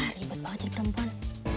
ribet banget jadi perempuan